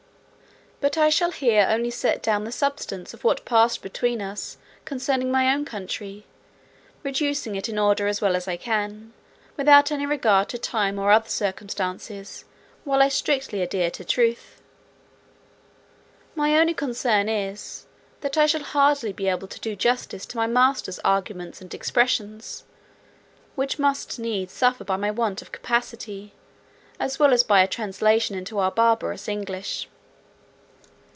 But I shall here only set down the substance of what passed between us concerning my own country, reducing it in order as well as I can, without any regard to time or other circumstances, while I strictly adhere to truth. My only concern is, that I shall hardly be able to do justice to my master's arguments and expressions, which must needs suffer by my want of capacity, as well as by a translation into our barbarous English.